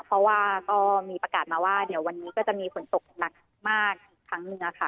เพราะว่าก็มีประกาศมาว่าเดี๋ยววันนี้ก็จะมีฝนตกหนักมากอีกครั้งหนึ่งค่ะ